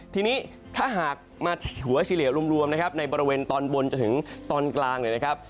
ทีนี้ถ้าหากมาถึงหัวเฉลี่ยรวมในบริเวณตอนบนจนถึงตอนกลาง